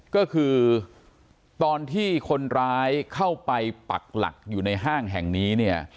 ก็คือตอนที่คนร้ายเข้าไปปักหลักอยู่ในห้างแห่งนี้เนี่ย